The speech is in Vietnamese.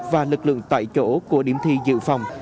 và lực lượng tại chỗ của điểm thi dự phòng